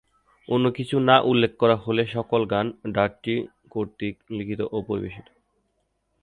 অন্য কিছু না উল্লেখ করা হলে, সকল গান মাইক ডাডটি কর্তৃক লিখিত ও পরিবেশিত।